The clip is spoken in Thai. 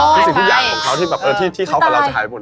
อ๋อใช่พูดสิทธิ์พิยาศของเขาที่เขากับเราจะหายไปหมดเลย